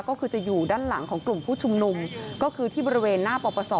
ก็คือจะอยู่ด้านหลังของกลุ่มผู้ชุมนุมก็คือที่บริเวณหน้าปปศ